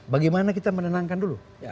bagaimana kita menenangkan dulu